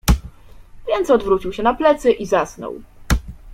Więc odwrócił się na plecy i zasnął.